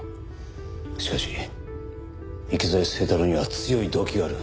しかし池添清太郎には強い動機がある。